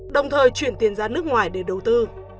đồng thời chuyển tiền ra nước ngoài để đầu tư